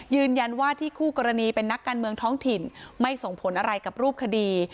ยืนยันว่าที่คู่กรณีเป็นนักการเมืองท้องถิ่นไม่ส่งผลอะไรกับรูปคดี